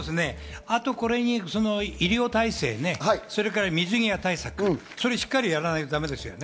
あとこれに医療体制ね、それから水際対策、それをしっかりやらないとだめですよね。